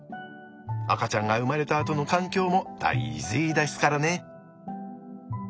赤ちゃんが生まれたあとの環境も大事ですからね。